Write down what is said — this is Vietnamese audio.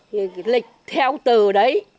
thì lịch theo từ đấy